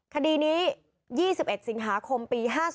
คดีนี้๒๑สิงหาคมปี๕๔